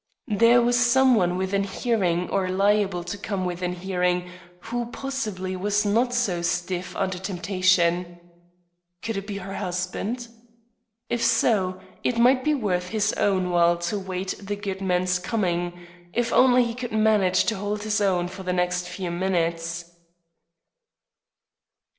There was some one within hearing or liable to come within hearing, who possibly was not so stiff under temptation. Could it be her husband? If so, it might be worth his own while to await the good man's coming, if only he could manage to hold his own for the next few minutes.